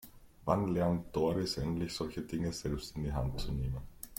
Wann lernt Doris endlich, solche Dinge selbst in die Hand zu nehmen?